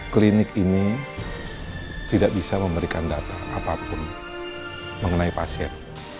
klinik ini tidak bisa memberikan data apapun mengenai pasien